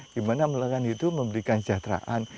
gimana melakukan itu memberikan sejahteraan